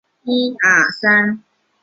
佃是东京都中央区的地名。